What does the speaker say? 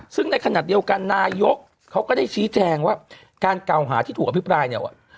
ซึ่งในขณะเดียวกันนายกเขาก็ได้ชี้แจงว่าการกล่าวหาที่ถูกอภิปรายเนี่ย